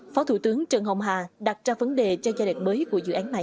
phó thủ tướng trần hồng hà đặt ra vấn đề cho gia đình mới của dự án này